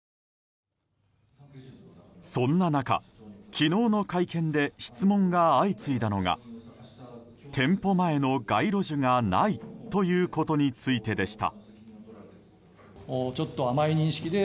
そんな中、昨日の会見で質問が相次いだのが店舗前の街路樹がないということについてでした。